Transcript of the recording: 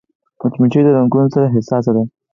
مچمچۍ د رنګونو سره حساسه ده